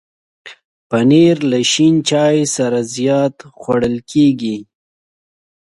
پنېر له شین چای سره زیات خوړل کېږي.